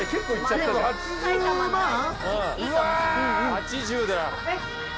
８０だ。